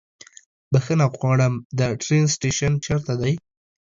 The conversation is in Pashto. بښنه غواړم، د ټرين سټيشن چيرته ده؟